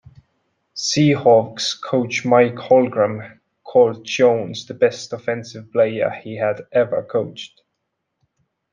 Seahawks coach Mike Holmgren called Jones the best offensive player he had ever coached.